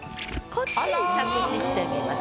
こっちに着地してみます。